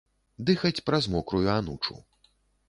Дыхаць праз мокрую анучу.